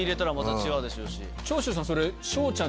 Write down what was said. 長州さん